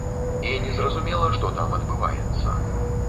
І незразумела, што там адбываецца.